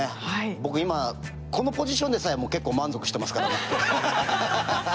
僕今このポジションでさえもう結構満足してますからね。